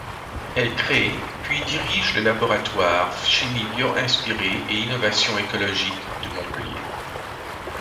Elle crée puis dirige le laboratoire Chimie bio-inspirée et innovations écologiques de Montpellier.